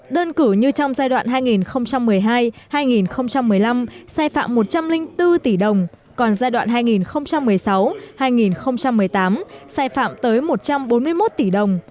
đơn cử như trong giai đoạn hai nghìn một mươi hai hai nghìn một mươi năm sai phạm một trăm linh bốn tỷ đồng còn giai đoạn hai nghìn một mươi sáu hai nghìn một mươi tám sai phạm tới một trăm bốn mươi một tỷ đồng